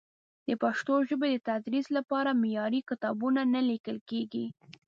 د پښتو ژبې د تدریس لپاره معیاري کتابونه نه لیکل کېږي.